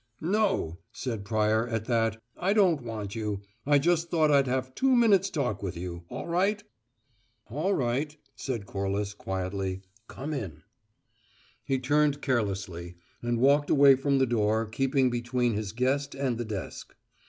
"No," said Pryor, at that. "I don't want you. I just thought I'd have two minutes' talk with you. All right?" "All right," said Corliss quietly. "Come in." He turned carelessly, and walked away from the door keeping between his guest and the desk.